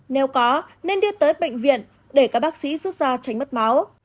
nếu có nên đưa tới bệnh viện để các bác sĩ rút ra tránh mất máu